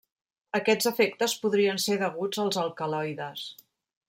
Aquests efectes podrien ser deguts als alcaloides.